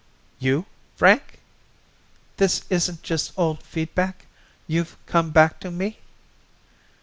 "You, Frank? This isn't just old feedback? You've come back to me?"